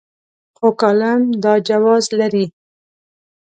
خو کالم دا جواز لري.